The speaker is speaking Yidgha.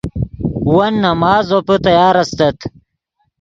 ون نماز زوپے تیار استت